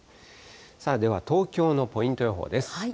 さあでは、東京のポイント予報です。